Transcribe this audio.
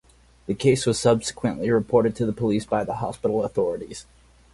The case was subsequently reported to the police by the hospital authorities.